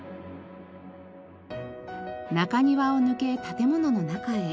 中庭を抜け建物の中へ。